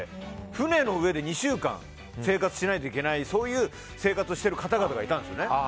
船の上で２週間生活しないといけないそういう生活をしている方々がいたんですよね。